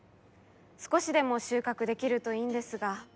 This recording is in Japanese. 少しでも収穫できるといいんですが。